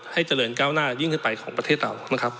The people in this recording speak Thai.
ให้เจริญก้าวหน้ายิ่งขึ้นไปของประเทศเรานะครับ